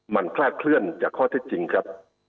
มันคลาดเคลื่อนจากข้อเท็จจริงครับ